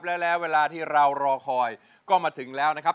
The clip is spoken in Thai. แล้วเวลาที่เรารอคอยก็มาถึงแล้วนะครับ